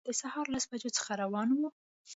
د سهار لسو بجو څخه روان وو.